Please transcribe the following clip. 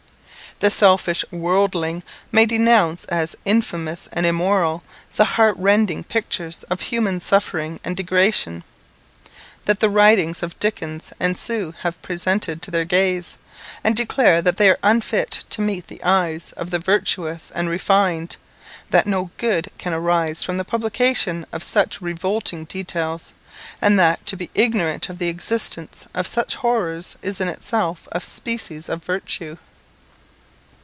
The selfish worldling may denounce as infamous and immoral, the heart rending pictures of human suffering and degradation that the writings of Dickens and Sue have presented to their gaze, and declare that they are unfit to meet the eyes of the virtuous and refined that no good can arise from the publication of such revolting details and that to be ignorant of the existence of such horrors is in itself a species of virtue.